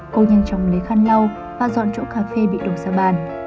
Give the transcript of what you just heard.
cô nhanh chóng lấy khăn lau và dọn chỗ cà phê bị đổ ra bàn